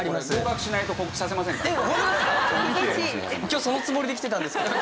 今日そのつもりで来てたんですけど。